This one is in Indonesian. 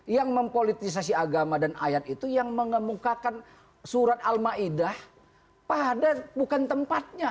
yang mempolitisasi agama dan ayat itu yang mengemukakan surat al ma'idah pada bukan tempatnya